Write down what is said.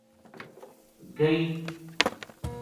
گئی